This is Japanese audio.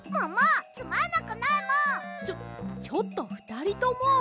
ちょちょっとふたりとも！